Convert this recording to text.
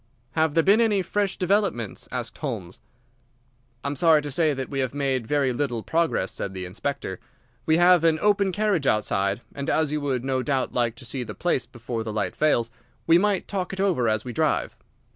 "Have there been any fresh developments?" asked Holmes. "I am sorry to say that we have made very little progress," said the Inspector. "We have an open carriage outside, and as you would no doubt like to see the place before the light fails, we might talk it over as we drive."